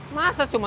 masa cuma satu